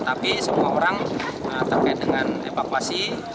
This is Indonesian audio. tapi semua orang terkait dengan evakuasi